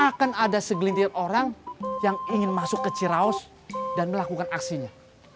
akan ada segelintir orang yang ingin masuk ke ciraus dan melakukan aksinya